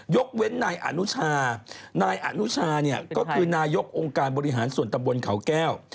ยกเว้นนายอนุชานายอนุชาเนี่ยก็คือนายกองค์การบริหารส่วนตำบลเขาแก้ว